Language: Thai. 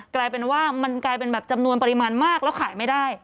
กลายเป็นว่ามันกลายเป็นแบบจำนวนปริมาณมากแล้วขายไม่ได้